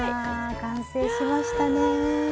完成しましたね。